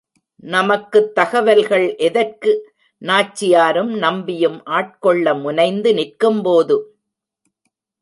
நமக்குத் தகவல்கள் எதற்கு, நாச்சியாரும் நம்பியும் ஆட்கொள்ள முனைந்து நிற்கும்போது.